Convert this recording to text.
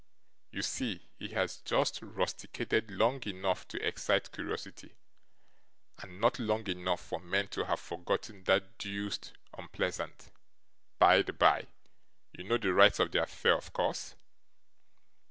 You see he has just rusticated long enough to excite curiosity, and not long enough for men to have forgotten that deuced unpleasant by the bye you know the rights of the affair, of course?